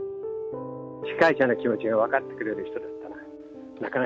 司会者の気持ちが分かってくれる人だったな。